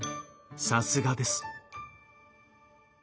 さすがです。